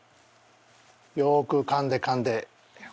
よくかんでかんで。